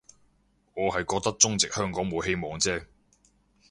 我係覺得中殖香港冇希望啫